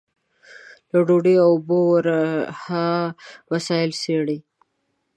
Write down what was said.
له ډوډۍ او اوبو ورها مسايل څېړي.